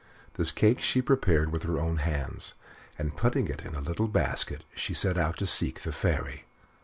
This cake she prepared with her own hands, and putting it in a little basket, she set out to seek the Fairy.